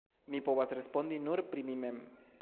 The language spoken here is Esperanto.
Mi povas respondi nur pri mi mem.